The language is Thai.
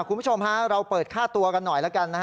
คุณผู้ชมพาเราเปิดค่าตัวกันหน่อยละกัน